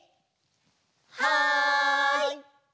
はい！